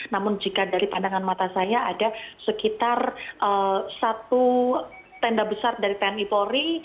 namun jika dari pandangan mata saya ada sekitar satu tenda besar dari tni polri